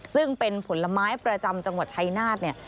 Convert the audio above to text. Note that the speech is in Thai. ซึ่งเป็นผลไม้ประจำจังหวัดชายนาฏเนี่ย